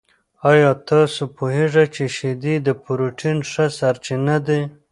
آیا تاسو پوهېږئ چې شیدې د پروټین ښه سرچینه دي؟